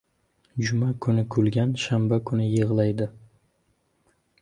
• Juma kuni kulgan shanba kuni yig‘laydi.